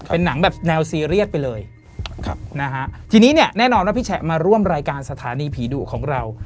เป็นหนังแบบแนวซีเรียสไปเลยครับนะฮะทีนี้เนี่ยแน่นอนว่าพี่แฉะมาร่วมรายการสถานีผีดุของเรา